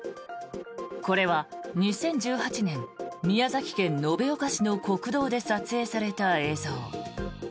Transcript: これは２０１８年宮崎県延岡市の国道で撮影された映像。